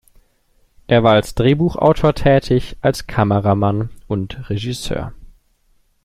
Er war als Drehbuchautor tätig, als Kameramann und Regisseur.